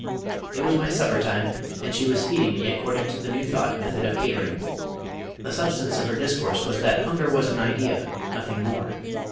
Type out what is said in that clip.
It was my supper time, and she was feeding me according to the New Thought method of catering. The substance of her discourse was that hunger was an idea, nothing more.